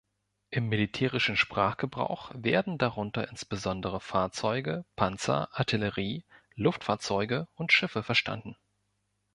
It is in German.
Im militärischen Sprachgebrauch werden darunter insbesondere Fahrzeuge, Panzer, Artillerie, Luftfahrzeuge und Schiffe verstanden.